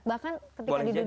bahkan ketika di dunia bisa jadi